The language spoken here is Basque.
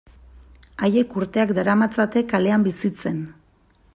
Haiek urteak daramatzate kalean bizitzen.